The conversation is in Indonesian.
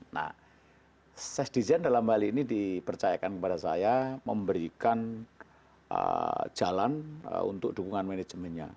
nah saya di jenderal bali ini dipercayakan kepada saya memberikan jalan untuk dukungan manajemennya